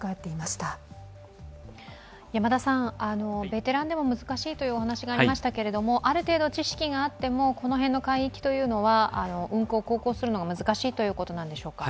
ベテランでも難しいというお話がありましたけれども、ある程度知識があってもこの辺の海域というのは運航・航行するのが難しいということなんでしょうか？